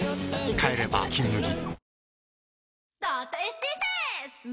帰れば「金麦」